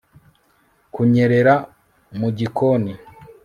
kunyerera mu gikoni